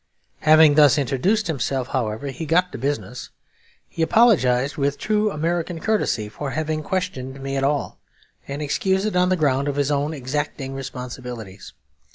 Having thus introduced himself, however, he got to business. He apologised with true American courtesy for having questioned me at all, and excused it on the ground of his own exacting responsibilities.